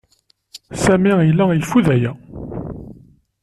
Sami yella yeffud aya.